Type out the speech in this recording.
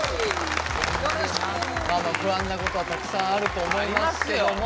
まあまあ不安なことはたくさんあると思いますけども。